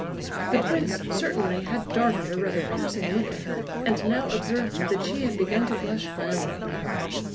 The prince certainly had darted a rather piercing look at her, and now observed that she had begun to blush violently.